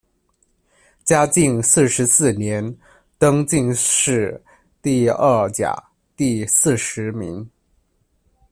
嘉靖四十四年，登进士第二甲第四十名。